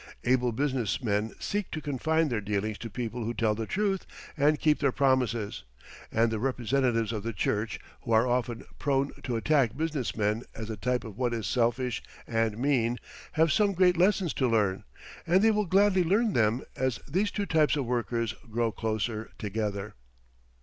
Able business men seek to confine their dealings to people who tell the truth and keep their promises; and the representatives of the Church, who are often prone to attack business men as a type of what is selfish and mean, have some great lessons to learn, and they will gladly learn them as these two types of workers grow closer together.